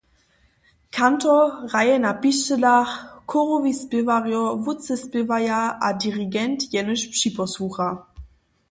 Kantor hraje na pišćelach, chórowi spěwarjo wótře spěwaja a dirigent jenož připosłucha.